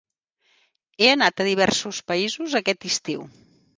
He anat a diversos països aquest estiu.